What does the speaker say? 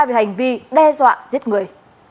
về hành vi đe dọa giết người